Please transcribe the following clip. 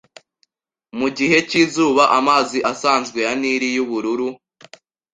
Mugihe cyizuba amazi asanzwe ya Nili yubururu